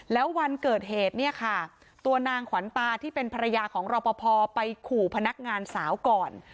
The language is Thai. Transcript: แล้ววันเกิดเหตุเนี่ยค่ะตัวนางขวัญตาที่เป็นภรรยาของรอปภไปขู่พนักงานสาวก่อน